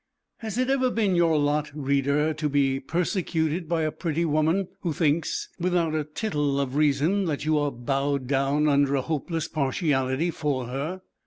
Has it ever been your lot, reader, to be persecuted by a pretty woman who thinks, without a tittle of reason, that you are bowed down under a hopeless partiality for her?